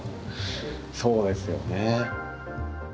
そうですよね。